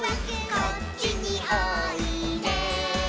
「こっちにおいで」